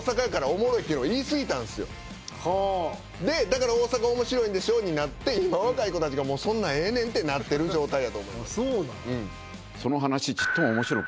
だから「大阪面白いんでしょ」になって今若い子たちが「もうそんなんええねん」ってなってる状態やと思います。